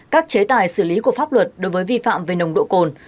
các chế tài xử lý của pháp luật đối với vi phạm về nồng độ cồn